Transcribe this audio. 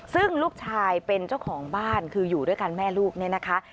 ซึ่งลูกชายเป็นเจ้าของบ้านคืออยู่ด้วยกันแม่ลูกเนี่ยนะคะ